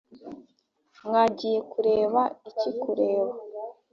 mwagiye kureba iki kureba